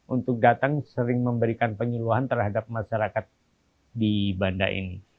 untuk datang sering memberikan penyuluhan terhadap masyarakat di banda ini